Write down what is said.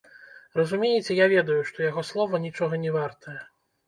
Разумееце, я ведаю, што яго слова нічога не вартае.